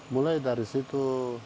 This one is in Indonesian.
mulai dari situ